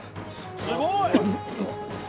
すごい！」